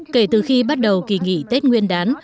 kể từ khi bắt đầu kỳ nghỉ tết nguyên đán